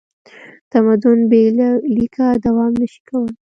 تمدن بې له لیکه دوام نه شي کولی.